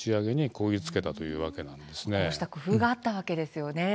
こうした工夫があったわけですよね。